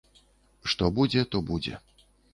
Што будзе, то будзе.